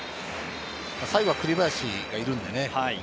最後は栗林が行くのでね。